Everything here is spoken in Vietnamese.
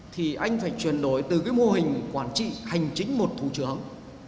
thì anh phải chuyển đổi từ cái mô hình quản trị hành chính một thủ trưởng